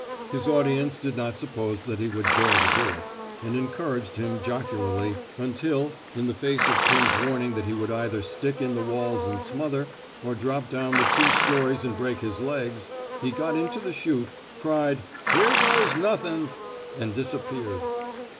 His audience did not suppose that he would dare to do it, and encouraged him jocularly, until — in the face of Pim's warning that he would either stick in the walls and smother, or drop down the two stories and break his legs — he got into the chute, cried Here goes nuthinV* and disappeared.